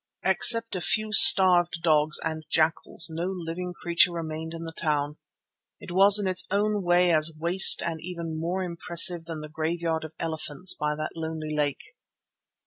Except a few starved dogs and jackals no living creature remained in the town. It was in its own way as waste and even more impressive than the graveyard of elephants by the lonely lake.